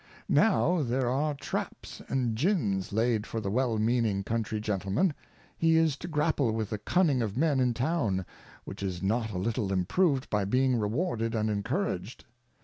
Now there are Traps and Gins laid for the well meaning Country Gentleman ; he is to grapple with the Cunning of Men in Town, which is not a little improv'd by being rewarded and encourag'd.